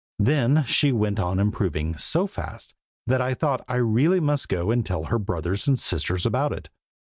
Then she went on improving so fast that I thought I really must go and tell her brothers and sisters about it.